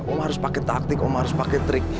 om harus pakai taktik om harus pakai trik